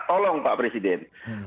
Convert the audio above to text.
tolong pak presiden